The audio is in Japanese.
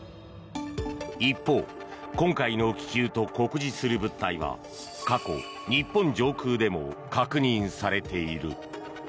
一方今回の気球と酷似する物体は過去、日本上空でも確認されている。